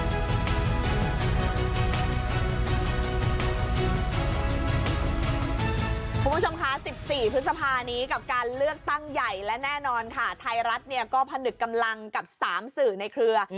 คุณผู้ชมคะ๑๔พฤษภานี้กับการเลือกตั้งใหญ่และแน่นอนค่ะไทยรัฐเนี่ยก็ผนึกกำลังกับ๓สื่อในเครือ